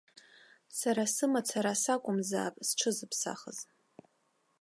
Сара сымацара сакәымзаап зҽызыԥсахыз.